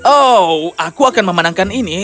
oh aku akan memenangkan ini